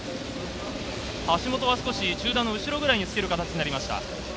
橋本は少し中断の後ろぐらいにつける形になりました。